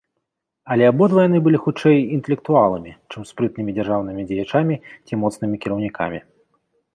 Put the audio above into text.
Але абодва яны былі хутчэй інтэлектуаламі, чым спрытнымі дзяржаўнымі дзеячамі ці моцнымі кіраўнікамі.